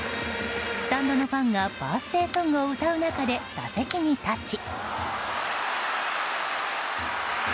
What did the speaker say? スタンドのファンがバースデーソングを歌う中で打席に立ち。